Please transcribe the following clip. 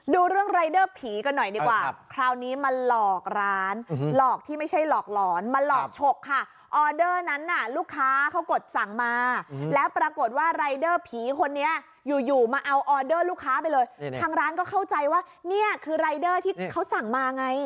ดูเรื่องรายเดอร์ผีกันหน่อยดีกว่าคราวนี้มาหลอกร้านหลอกที่ไม่ใช่หลอกหลอนมาหลอกฉกค่ะออเดอร์นั้นน่ะลูกค้าเขากดสั่งมาแล้วปรากฏว่ารายเดอร์ผีคนนี้อยู่อยู่มาเอาออเดอร์ลูกค้าไปเลยทางร้านก็เข้าใจว่าเนี่ยคือรายเดอร์ที่เขาสั่งมาไง